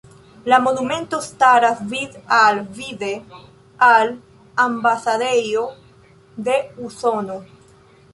La monumento staras vid-al-vide al ambasadejo de Usono.